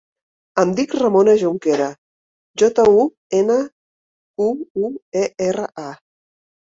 Em dic Ramona Junquera: jota, u, ena, cu, u, e, erra, a.